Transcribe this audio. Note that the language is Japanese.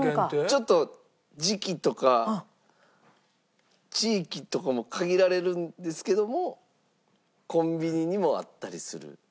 ちょっと時期とか地域とかも限られるんですけどもコンビニにもあったりする。